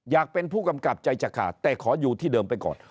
เป็นผู้กำกับใจจะขาดแต่ขออยู่ที่เดิมไปก่อน